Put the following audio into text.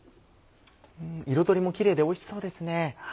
彩りもキレイでおいしそうですね。